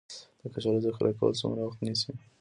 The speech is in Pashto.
د کچالو ذخیره کول څومره وخت نیسي؟